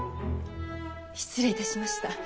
失礼いたしました。